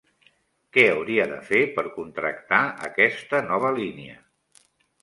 Què hauria de fer per contractar aquesta nova línia?